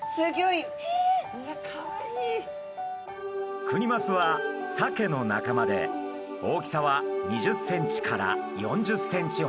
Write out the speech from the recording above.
いやクニマスはサケの仲間で大きさは２０ｃｍから４０ｃｍほど。